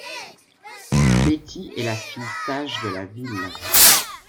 Betty est la fille sage de la ville.